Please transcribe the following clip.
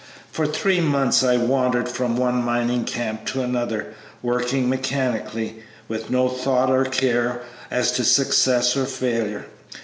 For three months I wandered from one mining camp to another, working mechanically, with no thought or care as to success or failure.